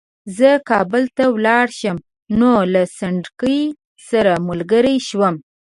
زه کابل ته ولاړ شم نو له سنډکي سره ملګری شوم.